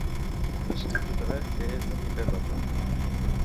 Necessito saber què és un hipèrbaton.